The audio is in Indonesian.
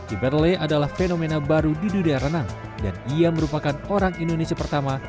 iverlay adalah fenomena baru di dunia renang dan ia merupakan orang indonesia pertama